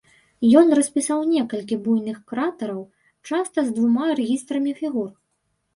Ён распісаў некалькі буйных кратараў, часта з двума рэгістрамі фігур.